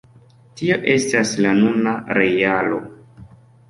tio estas la nuna realo.